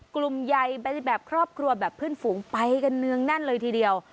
กลุ่มใยแบบครอบครัวแบบพื้นฝูงไปให้ก่อนเนื่องนั่นเลยทีเดียว